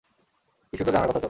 কিছু তো জানার কথা তোর।